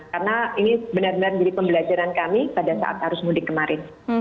karena ini benar benar jadi pembelajaran kami pada saat arus mudik kemarin